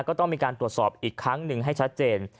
ก็ต้องมีการตรวจสอบอีกครั้งหนึ่งให้ชัดเจน